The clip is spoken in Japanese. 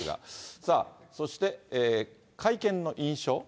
さあ、そして会見の印象。